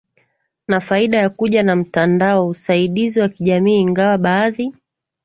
na faida ya kuja na mtandao usaidizi wa kijamii ingawa baadhi